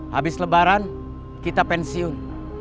habis lebaran kita pensiun